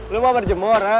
lo mau berjemur ha